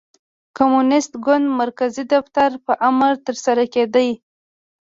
د کمونېست ګوند مرکزي دفتر په امر ترسره کېده.